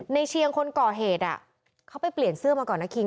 เชียงคนก่อเหตุเขาไปเปลี่ยนเสื้อมาก่อนนะคิง